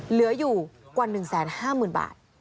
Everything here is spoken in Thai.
เหลืออยู่กว่า๑๕๐๐๐บาท